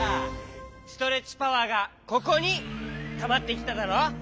ストレッチパワーがここにたまってきただろ！